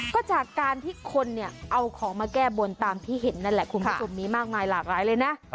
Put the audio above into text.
ก็จากการที่คนเนี่ยเอาของมาแก้บนตามที่เห็นนั่นแหละคุณผู้ชมมีมากมายหลากหลายเลยนะ